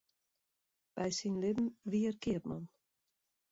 By syn libben wie er keapman.